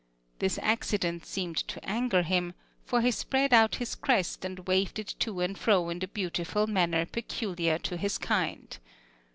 This accident seemed to anger him, for he spread out his crest and waved it to and fro in the beautiful manner peculiar to his kind.